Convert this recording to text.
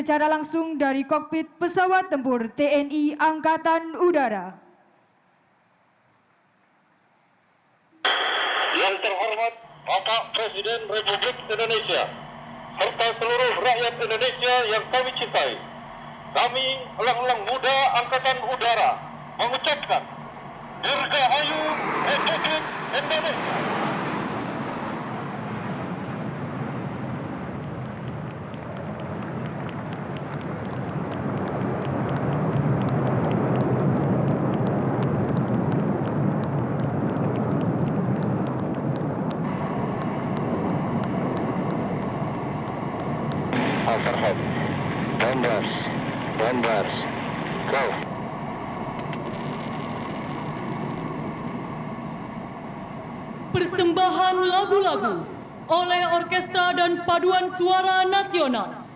oleh orkestra dan paduan suara nasional